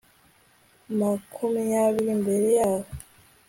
ma kumyabiri mbere yahoo